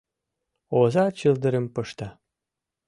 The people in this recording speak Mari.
— Оза чылдырым пышта.